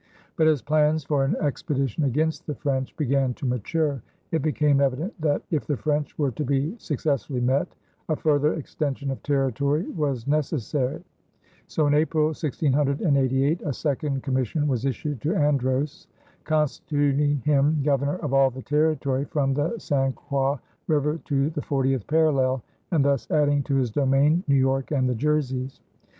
But as plans for an expedition against the French began to mature, it became evident that, if the French were to be successfully met, a further extension of territory was necessary; so in April, 1688, a second commission was issued to Andros, constituting him Governor of all the territory from the St. Croix River to the fortieth parallel, and thus adding to his domain New York and the Jerseys.